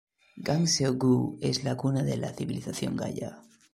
Gangseo-gu es la cuna de la civilización Gaya.